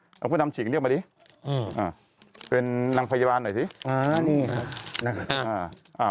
เอาผู้หญิงทำฉีกนี้เข้ามาดิอืมเป็นนางพยาวร์หน่อยซิอ้านี่นะฮะ